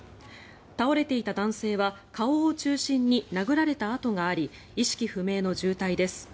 倒れていた男性は顔を中心に殴られた痕があり意識不明の重体です。